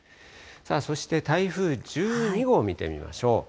そして台風１２号見てみましょう。